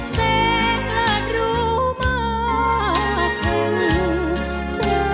แสงและรู้มากให้